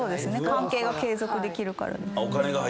関係が継続できるからですね。